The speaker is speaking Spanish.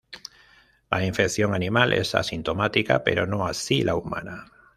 La infección animal es asintomática, pero no así la humana.